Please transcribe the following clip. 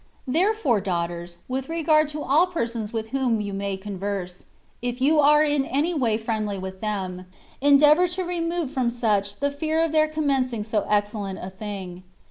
Therefore, daughters, with regard to all persons with whom you may converse, if you are in any way friendly with them, endeavour to remove from such the fear of their commencing so excel lent a thing.